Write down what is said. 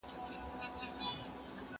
زه پرون ليکنې کوم،